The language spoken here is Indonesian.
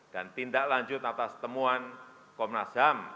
dan tindak lanjut atas temuan komnas ham